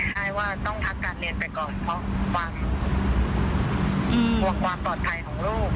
ใช่ว่าต้องพักการเรียนไปก่อนเพราะความกลัวความปลอดภัยของลูก